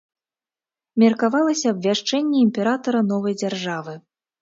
Меркавалася абвяшчэнне імператара новай дзяржавы.